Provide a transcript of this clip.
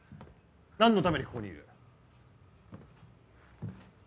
何のためにここにいる？